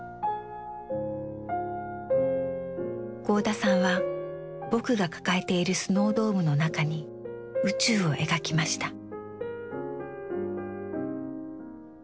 合田さんは「ぼく」が抱えているスノードームの中に宇宙を描きました。